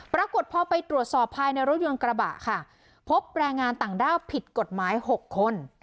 ปรากฏพอไปตรวจสอบภายในรถยนต์กระบะค่ะพบแรงงานต่างด้าวผิดกฎหมาย๖คน